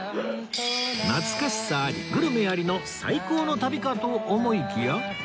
懐かしさありグルメありの最高の旅かと思いきや